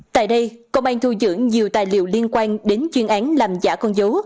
tại đây công an thu dưỡng nhiều tài liệu liên quan đến chuyên án làm giả con dấu